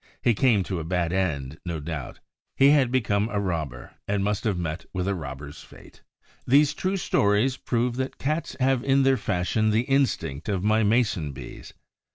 He came to a bad end, no doubt; he had become a robber and must have met with a robber's fate. These true stories prove that Cats have in their fashion the instinct of my Mason bees.